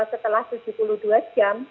setelah tujuh puluh dua jam